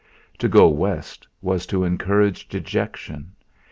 To go West was to encourage dejection.